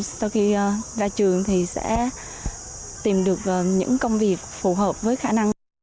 sau khi ra trường thì sẽ tìm được những công việc phù hợp với khả năng